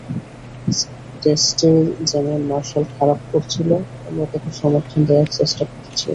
টেস্টে যেমন মার্শাল খারাপ করছিল, আমরা তাকে সমর্থন দেওয়ার চেষ্টা করেছি।